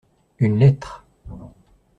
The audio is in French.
Une lettre.